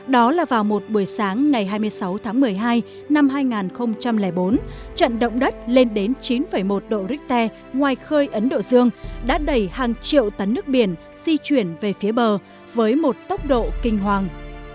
đó là vào một buổi sáng ngày hai mươi sáu tháng một mươi hai năm hai nghìn bốn trận động đất lên đến chín một độ richter ngoài khơi ấn độ dương đã đẩy hàng triệu tấn nước biển di chuyển về phía bờ với một tốc độ kinh hoàng